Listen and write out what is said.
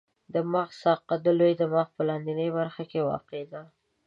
د مغز ساقه د لوی دماغ په لاندنۍ برخه کې واقع ده.